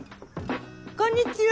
こんにちは！